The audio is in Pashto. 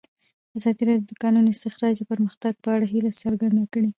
ازادي راډیو د د کانونو استخراج د پرمختګ په اړه هیله څرګنده کړې.